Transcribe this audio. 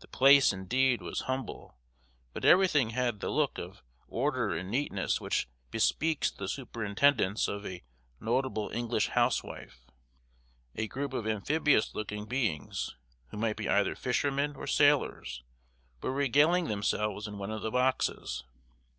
The place, indeed, was humble, but everything had that look of order and neatness which bespeaks the superintendence of a notable English housewife. A group of amphibious looking beings, who might be either fishermen or sailors, were regaling themselves in one of the boxes.